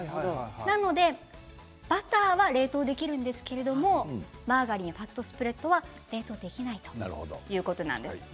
なのでバターは冷凍できるんですけれどマーガリンとファットスプレッドは冷凍できないということなんです。